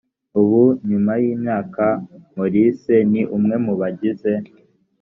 ubu nyuma y imyaka maurice ni umwe mu bagize